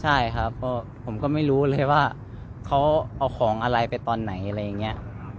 ใช่ครับเพราะผมก็ไม่รู้เลยว่าเขาเอาของอะไรไปตอนไหนอะไรอย่างนี้